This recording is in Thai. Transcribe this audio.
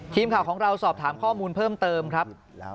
ทีมข่าวของเราสอบถามข้อมูลเพิ่มเติมครับ